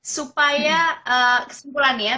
supaya kesimpulannya ya